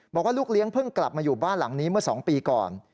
บอกว่าลูกเลี้ยงเพิ่งกลับมาอยู่บ้านหลังนี้เมื่อ๒ปีก่อน